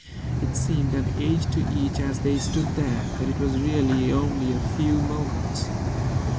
It seemed an age to each as they stood there, but it was really only a few moments.